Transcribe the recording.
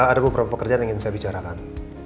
ada beberapa pekerjaan yang ingin saya bicarakan